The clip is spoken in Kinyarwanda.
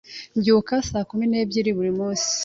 Mbyuka saa kumi n'ebyiri buri munsi.